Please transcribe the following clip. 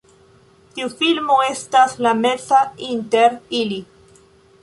Tiu filmo estas la meza inter ili.